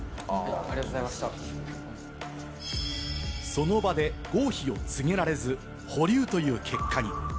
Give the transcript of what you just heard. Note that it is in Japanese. その場で合否を告げられず、保留という結果に。